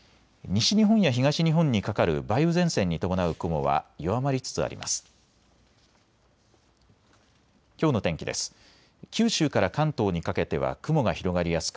西日本や東日本にかかる梅雨前線に伴う雲は弱まりつつあります。